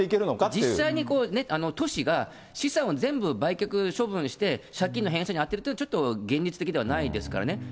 実際に、都市が資産を全部、売却、処分して、借金の返済に充てるというのはちょっと現実的ではないですからね。